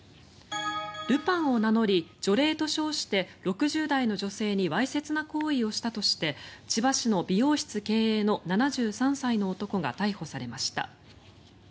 ルパンを名乗り、除霊と称して６０代の女性にわいせつな行為をしたとして千葉市の美容室経営の７３歳の男が逮捕されました。